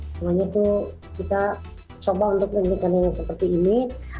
soalnya itu kita coba untuk menjelaskan yang seperti ini